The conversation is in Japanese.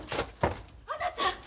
あなた！